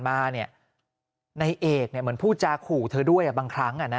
มาเนี่ยในเอกเนี่ยเหมือนผู้จาขู่เธอด้วยบางครั้งอ่ะนะ